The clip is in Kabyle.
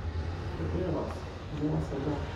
Rriɣ-as, nniɣ-as ala.